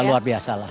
iya luar biasa lah